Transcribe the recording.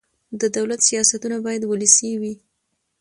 د دولت سیاستونه باید ولسي وي